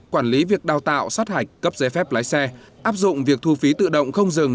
quản lý việc đào tạo sát hạch cấp giấy phép lái xe áp dụng việc thu phí tự động không dừng